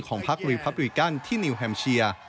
พักรีพับริกันที่นิวแฮมเชีย